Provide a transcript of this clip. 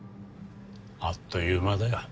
あっという間だよ。